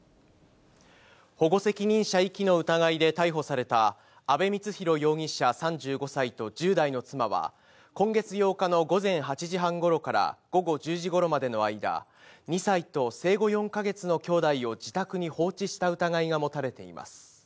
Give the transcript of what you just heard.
保護責任者遺棄の疑いで逮捕された、阿部光浩容疑者３５歳と、１０代の妻は、今月８日の午前８時半ごろから午後１０時ごろまでの間、２歳と生後４か月の兄弟を自宅に放置した疑いが持たれています。